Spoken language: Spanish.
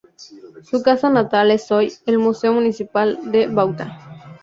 Su casa natal es hoy el Museo Municipal de Bauta.